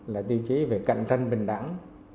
là tiêu chí về cạnh tranh bình đẳng